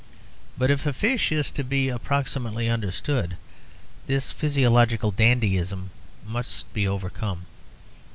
But if a fish is to be approximately understood, this physiological dandyism must be overcome.